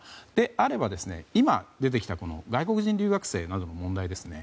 それであれば、今出てきた外国人留学生の問題です。